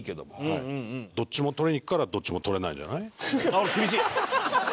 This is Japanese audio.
あっ厳しい。